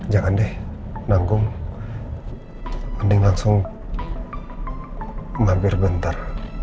jangan deh nanggung langsung mampir bentar